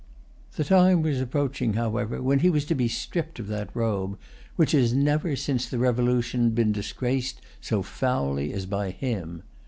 The time was approaching, however, when he was to be stripped of that robe which has never, since the Revolution, been disgraced so foully as by him.